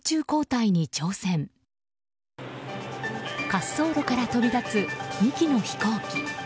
滑走路から飛び立つ２機の飛行機。